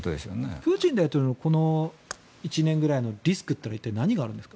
プーチン大統領のこの１年ぐらいのリスクというのは何があるんですか？